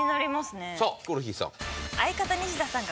さあヒコロヒーさん。